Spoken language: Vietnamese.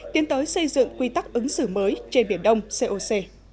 tiến tới xây dựng quy tắc ứng xử mới trên biển đông coc